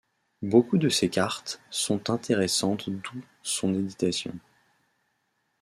Beaucoup de ses cartes sont intéressantes d’où son éditation.